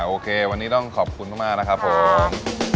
โอเควันนี้ต้องขอบคุณมากนะครับผม